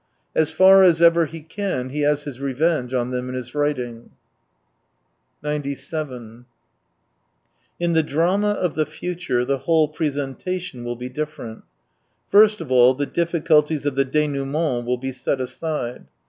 As far as ever he can he has his revenge on them in his writing. 97 In the drama of the future the whole presentation will be different. First of all, the difficulties of the denouement will be set aside.